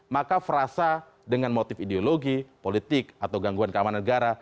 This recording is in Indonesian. maka frasa dengan motif ideologi politik atau gangguan keamanan negara